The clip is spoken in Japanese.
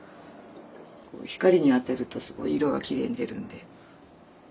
光に当てるとすごい色がきれいに出るんで。